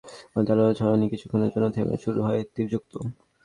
তলোয়ারের ঝনঝনানী কিছুক্ষণের জন্য থেমে শুরু হয় তীরযুদ্ধ।